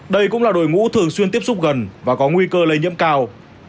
đây cũng là đội ngũ thường xuyên tiếp xúc gần và có nguy cơ lây nhiễm cao